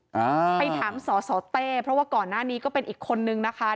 อ่าไปถามสอสอเต้เพราะว่าก่อนหน้านี้ก็เป็นอีกคนนึงนะคะ